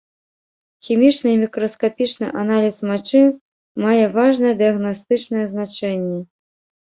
Хімічны і мікраскапічны аналіз мачы мае важнае дыягнастычнае значэнне.